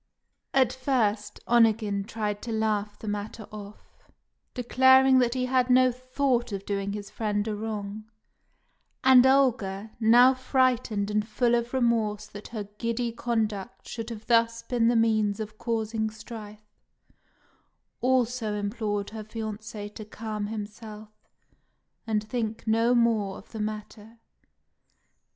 At first, Onegin tried to laugh the matter off, declaring that he had no thought of doing his friend a wrong; and Olga, now frightened and full of remorse that her giddy conduct should have thus been the means of causing strife, also implored her fiancé to calm himself and think no more of the matter.